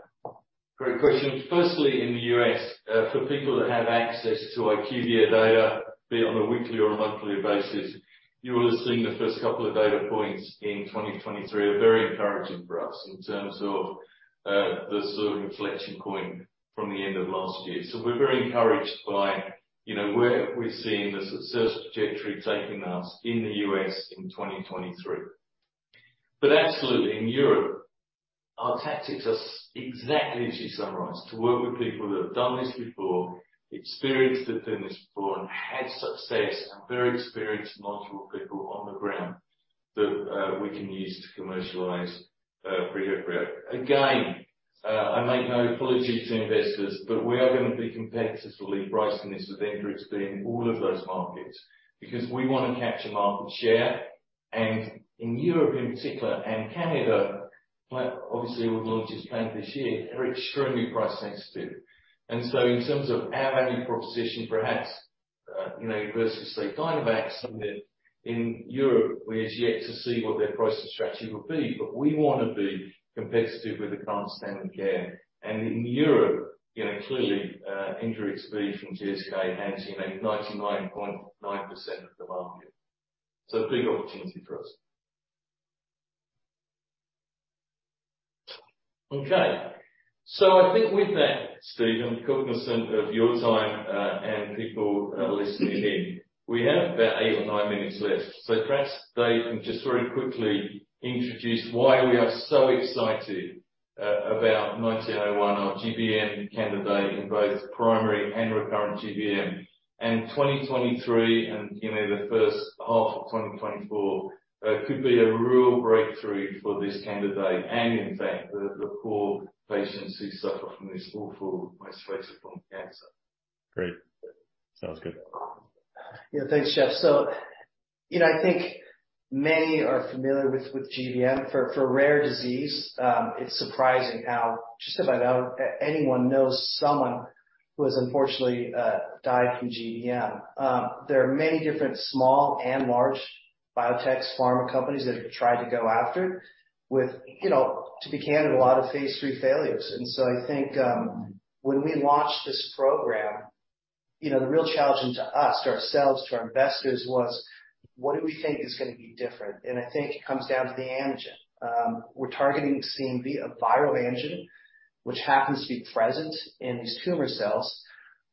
Great question. Firstly, in the U.S., for people that have access to IQVIA data, be it on a weekly or a monthly basis, you will have seen the first couple of data points in 2023 are very encouraging for us in terms of the sort of inflection point from the end of last year. We're very encouraged by, you know, where we're seeing the success trajectory taking us in the U.S. in 2023. Absolutely, in Europe, our tactics are exactly as you summarized, to work with people that have done this before, experienced it doing this before, and had success and very experienced multiple people on the ground that we can use to commercialize PreHevbrio. Again, I make no apologies to investors, but we are going to be competitively pricing this with Engerix-B in all of those markets because we want to capture market share. In Europe in particular, and Canada, obviously we'll launch this plan this year. They're extremely price sensitive. In terms of our value proposition, perhaps, you know, versus say, Dynavax, in Europe, we're as yet to see what their pricing strategy will be. We want to be competitive with the current standard of care. In Europe, you know, clearly, Engerix-B from GSK and Amgen own 99.9% of the market. Big opportunity for us. Okay. I think with that, Steven, cognizant of your time, and people listening in, we have about eight or nine minutes left. Perhaps, Dave, you can just very quickly introduce why we are so excited about 1901, our GBM candidate in both primary and recurrent GBM. 2023 and, you know, the first half of 2024 could be a real breakthrough for this candidate and in fact, the poor patients who suffer from this awful most fatal form of cancer. Great. Sounds good. Yeah, thanks, Jeff. You know, I think many are familiar with GBM. For a rare disease, it's surprising how just about anyone knows someone who has unfortunately, died from GBM. There are many different small and large biotechs, pharma companies that have tried to go after with, you know, to be candid, a lot of phase III failures. I think, when we launched this program, you know, the real challenge into us, to ourselves, to our investors was what do we think is gonna be different? I think it comes down to the antigen. We're targeting CMV, a viral antigen, which happens to be present in these tumor cells.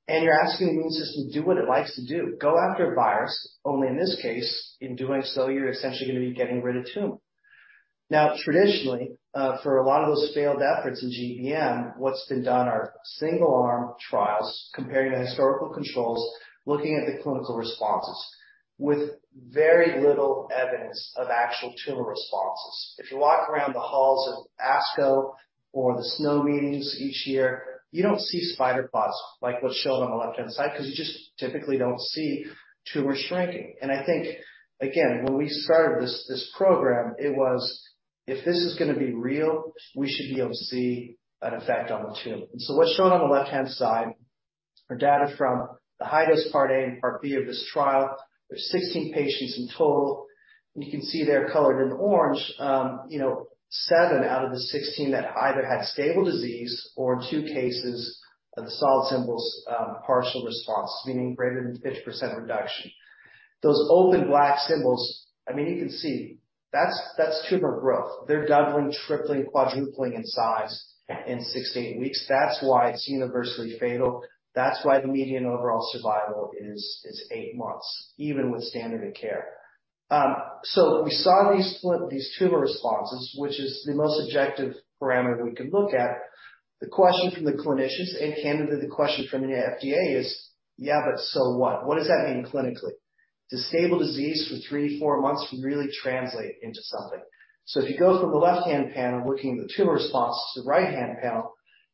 You're asking the immune system to do what it likes to do. Go after a virus, only in this case, in doing so, you're essentially gonna be getting rid of tumor. Now, traditionally, for a lot of those failed efforts in GBM, what's been done are single-arm trials comparing the historical controls, looking at the clinical responses with very little evidence of actual tumor responses. If you walk around the halls of ASCO or the SNO Annual Meeting each year, you don't see spider plots like what's shown on the left-hand side because you just typically don't see tumors shrinking. I think, again, when we started this program, it was if this is gonna be real, we should be able to see an effect on the tumor. What's shown on the left-hand side are data from the high-dose part A and part B of this trial. There's 16 patients in total. You can see they're colored in orange. You know, seven out of the 16 that either had stable disease or in two cases are the solid symbols, partial response, meaning greater than 50% reduction. Those open black symbols, I mean, you can see that's tumor growth. They're doubling, tripling, quadrupling in size in six to eight weeks. That's why it's universally fatal. That's why the median overall survival is eight months, even with standard of care. So we saw these tumor responses, which is the most objective parameter we can look at. The question from the clinicians and candidly the question from the FDA is, "Yeah, but so what? What does that mean clinically?" Does stable disease for three to four months really translate into something? If you go from the left-hand panel looking at the tumor response to the right-hand panel,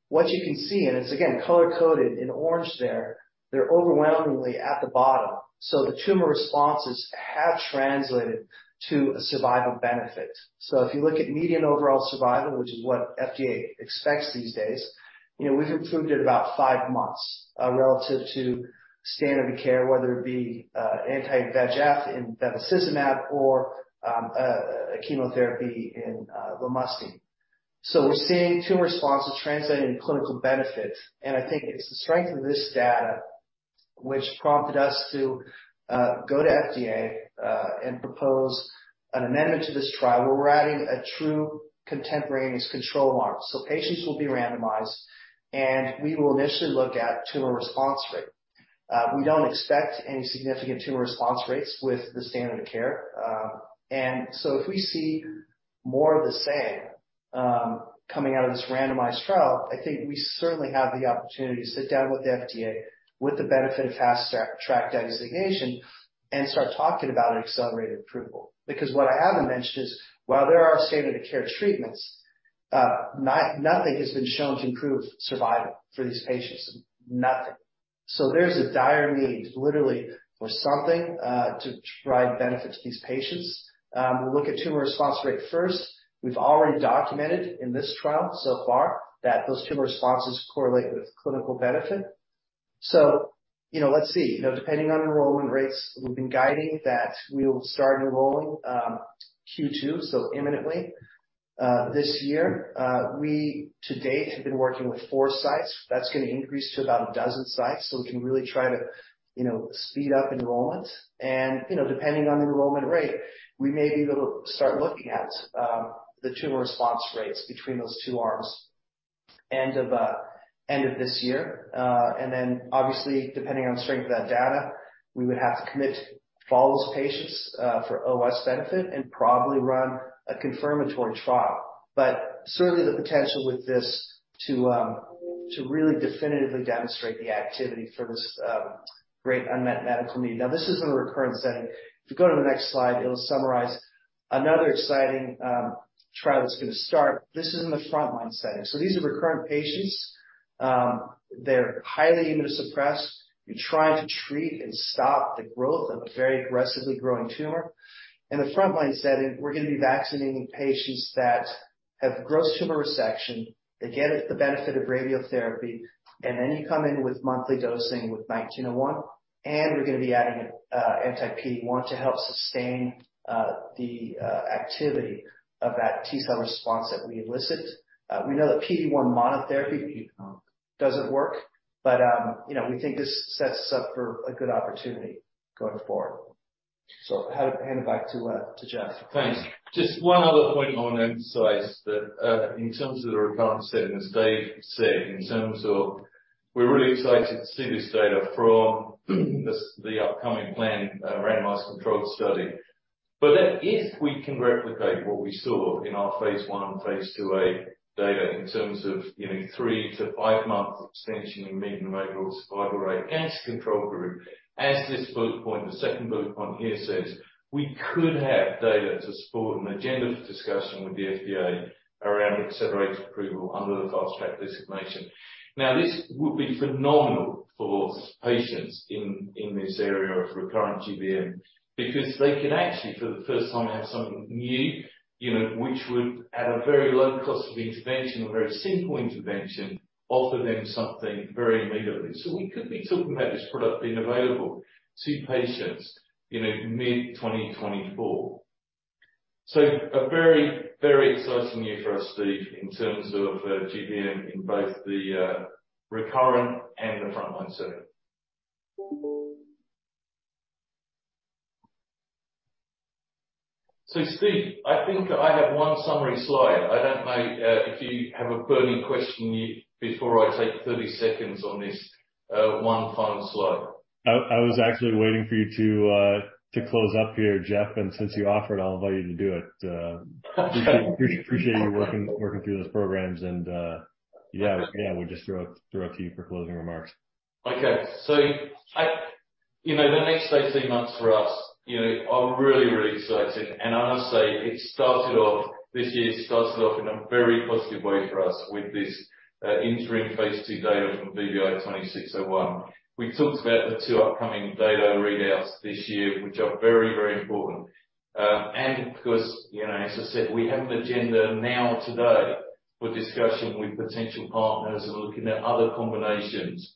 what you can see, and it's again color-coded in orange there, they're overwhelmingly at the bottom. The tumor responses have translated to a survival benefit. If you look at median overall survival, which is what FDA expects these days, you know, we've improved it about five months relative to standard of care, whether it be anti-VEGF in bevacizumab or a chemotherapy in lomustine. We're seeing tumor responses translating in clinical benefit. I think it's the strength of this data which prompted us to go to FDA and propose an amendment to this trial, where we're adding a true contemporaneous control arm. Patients will be randomized, and we will initially look at tumor response rate. We don't expect any significant tumor response rates with the standard of care. If we see more of the same, coming out of this randomized trial, I think we certainly have the opportunity to sit down with the FDA with the benefit of Fast Track designation and start talking about an Accelerated Approval. What I haven't mentioned is, while there are standard of care treatments, nothing has been shown to improve survival for these patients. Nothing. There's a dire need literally for something to provide benefit to these patients. We'll look at tumor response rate first. We've already documented in this trial so far that those tumor responses correlate with clinical benefit. You know, let's see. You know, depending on enrollment rates, we've been guiding that we will start enrolling, Q2, so imminently this year. We to date have been working with four sites. That's gonna increase to about 12 sites. We can really try to, you know, speed up enrollment. You know, depending on enrollment rate, we may be able to start looking at the tumor response rates between those two arms end of end of this year. Obviously, depending on strength of that data, we would have to commit to follow those patients for OS benefit and probably run a confirmatory trial. Certainly the potential with this to really definitively demonstrate the activity for this great unmet medical need. Now, this is in a recurrent setting. If you go to the next slide, it'll summarize another exciting trial that's gonna start. This is in the front line setting. These are recurrent patients. They're highly immunosuppressed. You're trying to treat and stop the growth of a very aggressively growing tumor. In the front line setting, we're gonna be vaccinating patients that have gross tumor resection. They get it the benefit of radiotherapy. Then you come in with monthly dosing with 1901. We're gonna be adding anti-PD-1 to help sustain the activity of that T-cell response that we elicited. We know that PD-1 monotherapy doesn't work. You know, we think this sets us up for a good opportunity going forward. Hand it back to Jeff. Thanks. Just one other point I wanna emphasize that, in terms of the recurrent setting, as Dave said, in terms of we're really excited to see this data from this, the upcoming planned, randomized controlled study. If we can replicate what we saw in our phase I and phase II data in terms of, you know, three to five month extension in median overall survival rate as control group, as this bullet point, the second bullet point here says, we could have data to support an agenda for discussion with the FDA around Accelerated Approval under the Fast Track designation. This would be phenomenal for patients in this area of recurrent GBM because they can actually, for the first time, have something new, you know, which would, at a very low cost of intervention, a very simple intervention, offer them something very immediately. We could be talking about this product being available to patients in mid-2024. A very, very exciting year for us, Steve, in terms of GBM in both the recurrent and the front-line setting. Steve, I think I have one summary slide. I don't know if you have a burning question before I take 30 seconds on this one final slide. I was actually waiting for you to close up here, Jeff. Since you offered, I'll invite you to do it. Appreciate you working through those programs. Yeah, we'll just throw it to you for closing remarks. You know, the next 18 months for us, you know, are really, really exciting. I must say this year started off in a very positive way for us with this interim phase II data from VBI-2601. We talked about the two upcoming data readouts this year, which are very, very important. Because, you know, as I said, we have an agenda now today for discussion with potential partners and looking at other combinations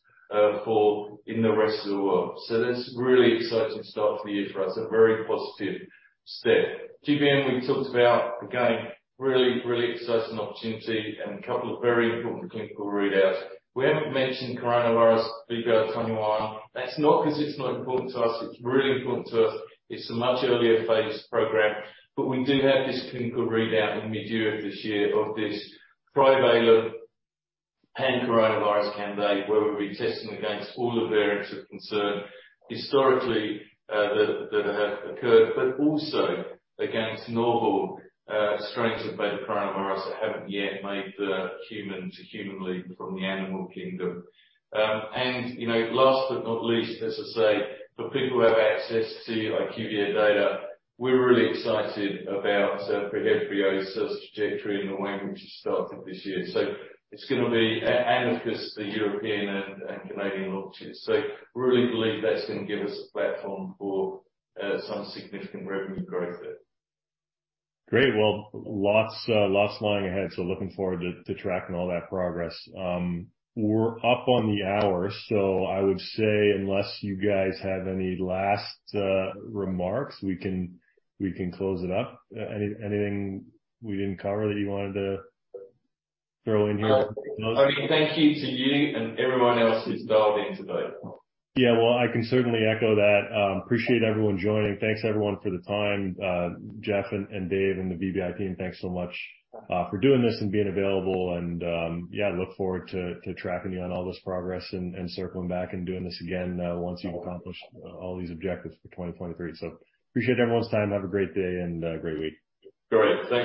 for in the rest of the world. That's a really exciting start for the year for us, a very positive step. GBM, we talked about, again, really, really exciting opportunity and a couple of very important clinical readouts. We haven't mentioned coronavirus, VBI-2901. That's not 'cause it's not important to us. It's really important to us. It's a much earlier phase program, but we do have this clinical readout in mid-year of this year of this trivalent pan-coronavirus candidate, where we'll be testing against all the variants of concern historically, that have occurred, but also against novel strains of Betacoronavirus that haven't yet made the human-to-human leap from the animal kingdom. You know, last but not least, as I say, for people who have access to IQVIA data, we're really excited about PreHevbrio's sales trajectory and the way in which it started this year. It's gonna be and of course, the European and Canadian launches. We really believe that's gonna give us a platform for some significant revenue growth there. Great. Well, lots lying ahead, looking forward to tracking all that progress. We're up on the hour, I would say unless you guys have any last remarks, we can close it up. Anything we didn't cover that you wanted to throw in here? Only thank you to you and everyone else who's dialed in today. Yeah. Well, I can certainly echo that. Appreciate everyone joining. Thanks everyone for the time. Jeff and Dave and the VBI team, thanks so much for doing this and being available. Yeah, look forward to tracking you on all this progress and circling back and doing this again once you've accomplished all these objectives for 2023. Appreciate everyone's time. Have a great day and great week. Great. Thank you.